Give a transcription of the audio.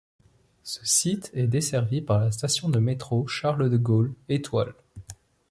Ce site est desservi par la station de métro Charles de Gaulle - Étoile.